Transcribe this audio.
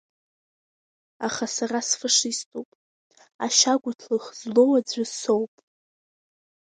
Аха сара сфашиступ, ашьа гәыҭлых злоу аӡәы соуп.